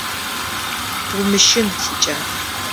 Умыщын, сикӏал…